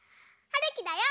はるきだよ。